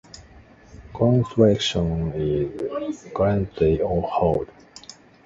Construction is currently on hold.